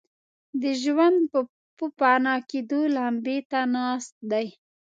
د ژوند پوپناه کېدو لمبې ته ناست دي.